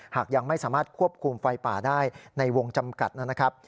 หากยังไม่สามารถควบคุมไฟป่าได้ในวงจำกัดนะครับ